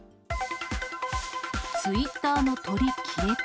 ツイッターの鳥消えた。